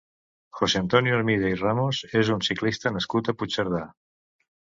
José Antonio Hermida i Ramos és un ciclista nascut a Puigcerdà.